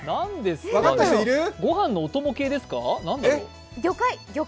御飯のお供系統ですか？